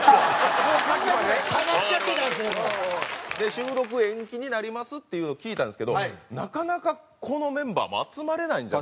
収録延期になりますっていうの聞いたんですけどなかなかこのメンバーも集まれないんじゃないかと。